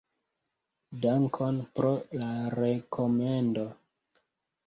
Dankon pro la rekomendo.